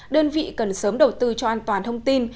đơn vị cần sớm đầu tư cho an toàn thông tin